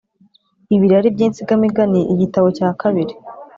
ibirari by’insigamigani igitabo cya kabiri